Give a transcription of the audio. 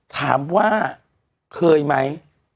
ถามว่าเคยมั้ย